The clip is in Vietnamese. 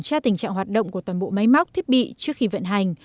tra tình trạng hoạt động của toàn bộ máy móc thiết bị trước khi vận hành